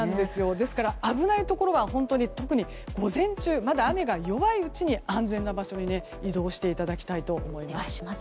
ですから、危ないところは特に午前中、まだ雨が弱いうちに安全な場所に移動していただきたいと思います。